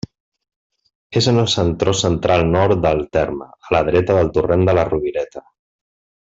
És en el sector central-nord del terme, a la dreta del torrent de la Rovireta.